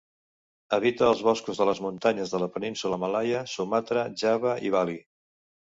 Habita els boscos de les muntanyes de la Península Malaia, Sumatra, Java i Bali.